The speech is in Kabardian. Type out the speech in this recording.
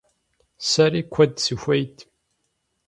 Сэри куэд сыхуейт.